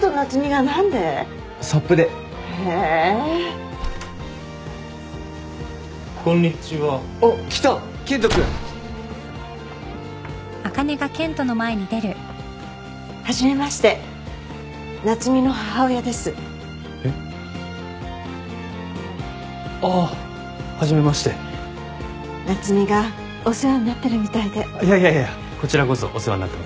いやいやいやこちらこそお世話になってます。